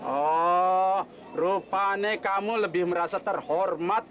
oh rupanya kamu lebih merasa terhormat